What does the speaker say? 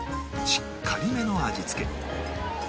しっかりめの味付け